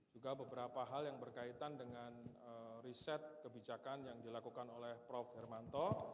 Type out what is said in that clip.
juga beberapa hal yang berkaitan dengan riset kebijakan yang dilakukan oleh prof hermanto